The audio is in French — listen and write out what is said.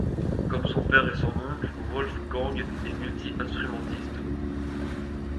Comme son père et son oncle, Wolfgang est multi-instrumentiste.